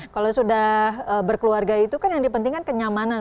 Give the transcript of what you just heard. kalau sudah berkeluarga itu kan yang dipentingkan kenyamanan